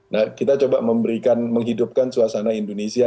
nah kita coba memberikan menghidupkan suasana indonesia